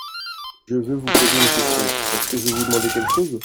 Je veux vous poser une question / Est-ce que je veux vous demander quelque chose ?